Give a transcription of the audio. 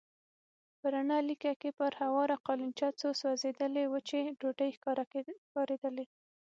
په رڼه لېکه کې پر هواره قالينچه څو سوځېدلې وچې ډوډۍ ښکارېدلې.